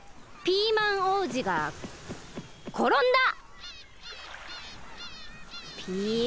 ピーマン王子がころんだ！